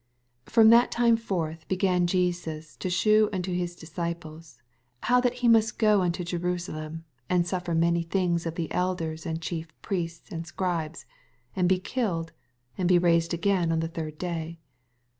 21 From that time forth began Jesus to shew unto his disciples, how that he must go unto Jerusalem, and suffer many things of the elders and Chief Priests and Scribes, and be killed, and bo raised again the third day.